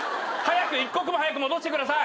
一刻も早く戻してください！